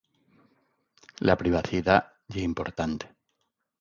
La privacidá ye importante.